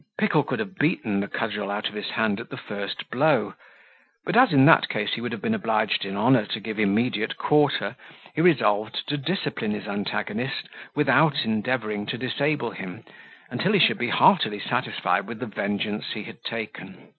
Pickle could have beaten the cudgel out of his hand at the first blow; but as in that case he would have been obliged in honour to give immediate quarter, he resolved to discipline his antagonist without endeavouring to disable him, until he should be heartily satisfied with the vengeance he had taken.